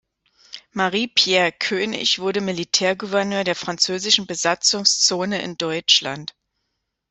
Marie-Pierre Kœnig wurde Militärgouverneur der französischen Besatzungszone in Deutschland.